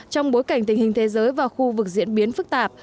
trong bối cảnh tình hình thế giới và khu vực diễn biến phức tạp